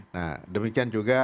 nah demikian juga